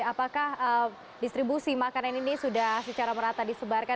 apakah distribusi makanan ini sudah secara merata disebarkan